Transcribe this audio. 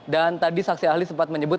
dan tadi saksi ahli sempat menyebut